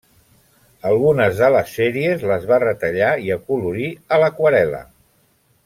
Algunes de les sèries les va retallar i acolorir a l'aquarel·la.